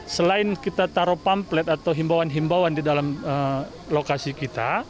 selain kita taruh pamplet atau himbauan himbauan di dalam lokasi kita